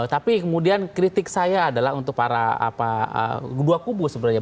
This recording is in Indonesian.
tapi kemudian kritik saya adalah untuk para dua kubu sebenarnya